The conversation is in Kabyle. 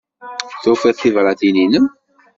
Tufiḍ tibṛatin-inem?